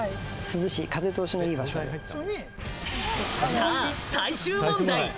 さぁ、最終問題。